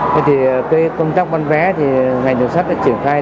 thế thì công tác bán vé thì ngành dùng sách đã triển khai